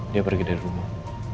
dia pergi dari rumah